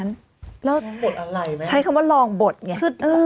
แล้วบทอะไรไหมใช้คำว่าลองบทไง